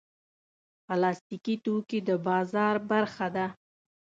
پلاستيکي توکي د بازار برخه ده.